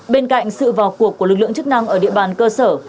bên cạnh sự vào cuộc của lực lượng chức năng ở địa bàn cơ sở